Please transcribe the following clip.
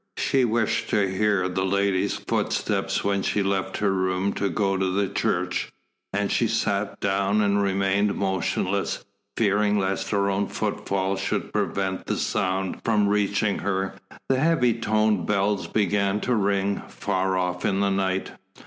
She wished to hear the lady's footstep when she left her room to go to the church, and she sat down and remained motionless, fearing lest her own footfall should prevent the sound from reaching her. The heavy toned bells began to ring, far off in the night.